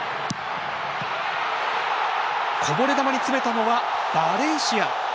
こぼれ球に詰めたのはバレンシア！